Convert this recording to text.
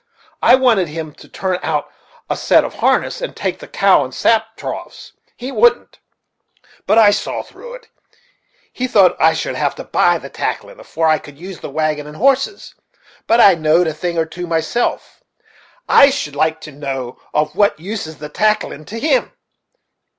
I wanted him to turn out a set of harness, and take the cow and the sap troughs. He wouldn't but I saw through it; he thought I should have to buy the tacklin' afore I could use the wagon and horses; but I knowed a thing or two myself; I should like to know of what use is the tacklin' to him!